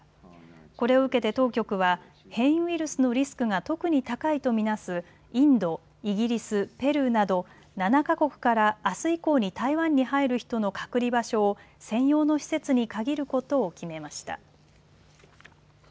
これを受けて当局は変異ウイルスのリスクが特に高いと見なすインド、イギリス、ペルーなど７か国からあす以降に台湾に入る人の隔離場所を専用の施設に限ることを決めました。